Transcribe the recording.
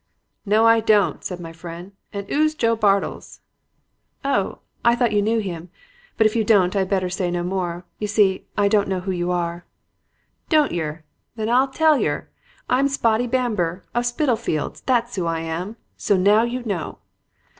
"'No, I don't,' said my friend. 'And 'oo's Joe Bartels?' "'Oh, I thought you knew him; but if you don't I'd better say no more. You see, I don't know who you are.' "'Don't yer. Then I'll tell yer. I'm Spotty Bamber, of Spitalfields, that's 'oo I am. So now you know.'